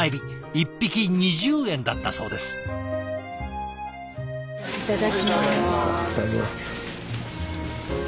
いただきます。